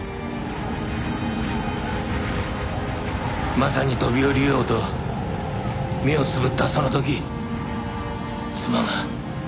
まさに飛び降りようと目をつぶったその時妻が。